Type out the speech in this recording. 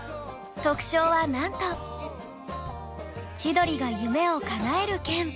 特賞はなんと千鳥が夢を叶える券。